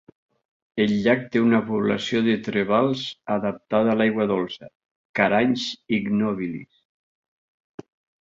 El llac té una població de trevals adaptada a l'aigua dolça, "Caranx ignobilis".